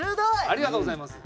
ありがとうございます。